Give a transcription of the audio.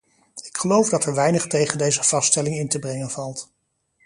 Ik geloof dat er weinig tegen deze vaststelling in te brengen valt.